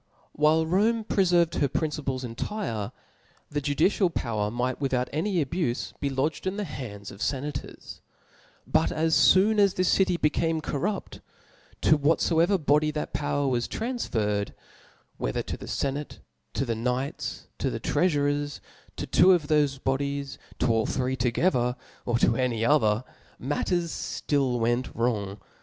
While Rome prefervcd her principles intire, the judicial power might without any abufe be lodged in the hands of fenators : but as foon as this city became corrupt, to whatfoever body that power was transferred, whether to the fcnatc, to the knights, to the treafurers, to two of thofc bodies^ to all three togethtfr, or to any others tnatters ftill went wrong.